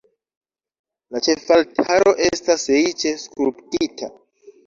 La ĉefaltaro estas riĉe skulptita.